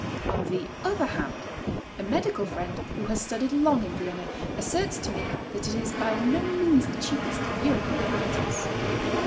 On the other hand a medical friend who has studied long in Vienna asserts to me that it is by no means the cheapest of European capitals.